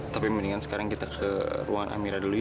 tapi mendingan sekarang kita ke ruangan amira dulu ya